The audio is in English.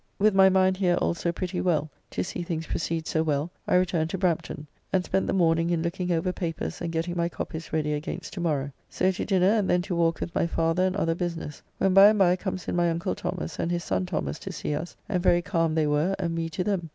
With my mind here also pretty well to see things proceed so well I returned to Brampton, and spent the morning in looking over papers and getting my copies ready against to morrow. So to dinner, and then to walk with my father and other business, when by and by comes in my uncle Thomas and his son Thomas to see us, and very calm they were and we to them.